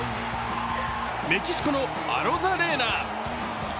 メキシコのアロザレーナ。